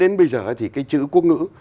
đến bây giờ thì cái chữ quốc ngữ